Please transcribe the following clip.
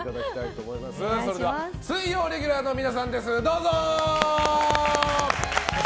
水曜レギュラーの皆さんですどうぞ！